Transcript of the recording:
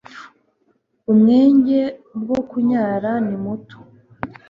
umwenge bwo kunyara nimuto